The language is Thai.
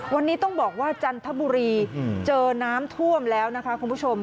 วันนี้ต้องบอกว่าจันทบุรีเจอน้ำท่วมแล้วนะคะคุณผู้ชม